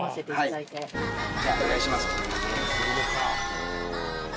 じゃあお願いします。